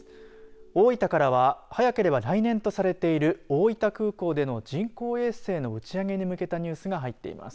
大分からは早ければ来年とされている大分空港での人工衛星の打ち上げに向けたニュースが入っています。